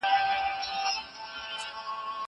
کېدای سي شګه ناپاکه وي!